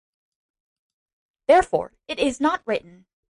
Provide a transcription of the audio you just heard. Therefore it is not written.